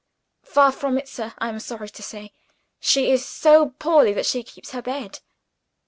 "Far from it, sir, I am sorry to say. She is so poorly that she keeps her bed."